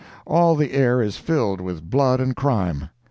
All the air is filled with blood and crime.